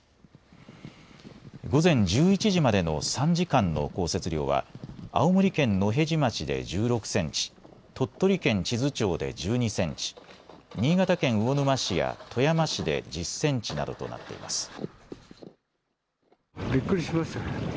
午前１１時までの３時間の降雪量は青森県野辺地町で１６センチ、鳥取県智頭町で１２センチ、新潟県魚沼市や富山市で１０センチなどとなっています。